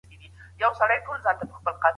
چا اټکل کړ چې زموږ د امن کور به